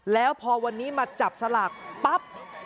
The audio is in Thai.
แล้วพอวันนี้มาจับสลากปั๊บ